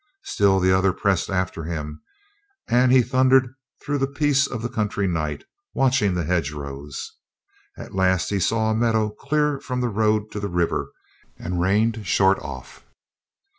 Still the others pressed after him and he thundered through the peace of the country night, watching the hedge rows. At last he saw a meadow clear from the road to the river and reined short off.